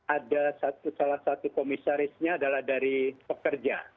ada salah satu komisarisnya adalah dari pekerja